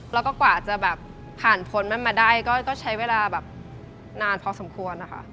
แล้วก็กว่าจะแบบผ่านพ้นมันมาได้ก็ใช้เวลาแบบนานพอสมควรนะคะ